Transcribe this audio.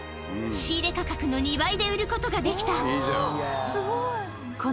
仕入れ価格の２倍で売ることができたいいね！